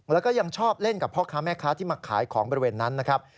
แล้วก็ยังชอบเล่นกับพ่อค้าแม่ค้าที่มาขายของบริเวณนั้นนะครับ